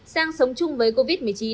sang sống chung với covid một mươi chín